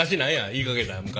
言いかけたん昔。